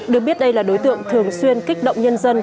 được biết đây là đối tượng thường xuyên kích động nhân dân